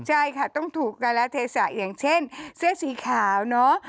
ใช่ค่ะต้องถูกการละเทศะอย่างเช่นเสื้อสีขาวเนอะ